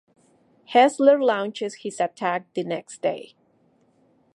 Hessler launches his attack the next day.